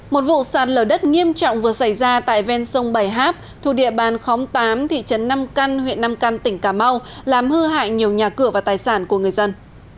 một vụ sạt lở đất nghiêm trọng vừa xảy ra tại ven sông bảy háp thu địa bàn khóm tám thị trấn nam căn huyện nam căn tỉnh cà mau làm hư hại nhiều nhà cửa và tài sản của người dân